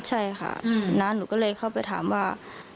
ใช่ค่ะน้าหนูก็เลยเข้าไปถามว่า